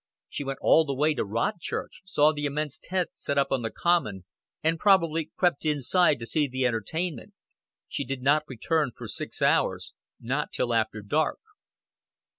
She went all the way to Rodchurch, saw the immense tent set up on the Common, and probably crept inside to see the entertainment. She did not return for six hours, not till after dark.